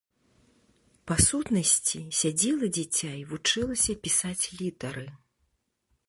Па сутнасці, сядзела дзіця і вучылася пісаць літары.